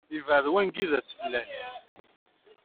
Ibɛed wanda i yas-flan!